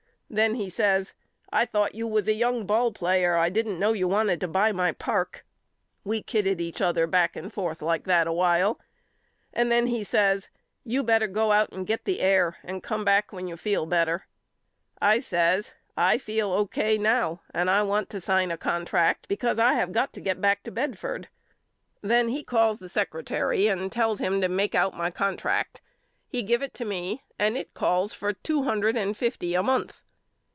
Then he says I thought you was a young ball player and I didn't know you wanted to buy my park. We kidded each other back and forth like that a while and then he says You better go out and get the air and come back when you feel better. I says I feel O. K. now and I want to sign a con tract because I have got to get back to Bedford. Then he calls the secretary and tells him to make out my contract. He give it to me and it calls for two hundred and fifty a month.